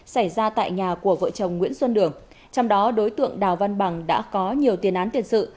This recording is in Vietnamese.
xảy ra tại nhà của vợ chồng nguyễn xuân đường trong đó đối tượng đào văn bằng đã có nhiều tiền án tiền sự